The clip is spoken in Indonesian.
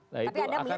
nah itu akan bisa lain